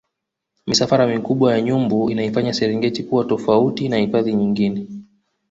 misafara mikubwa ya nyumbu inaifanya serengeti kuwa tofauti na hifadhi nyingine